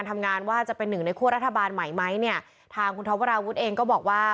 ทางคุณทบราวุธเองก็บอกว่า